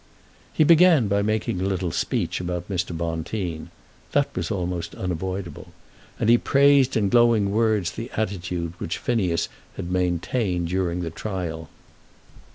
He began by making a little speech about Mr. Bonteen. That was almost unavoidable. And he praised in glowing words the attitude which Phineas had maintained during the trial.